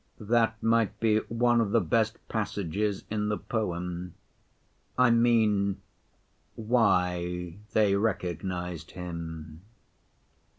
That might be one of the best passages in the poem. I mean, why they recognized Him.